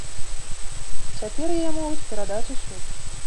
Цяпер яе могуць перадаць у суд.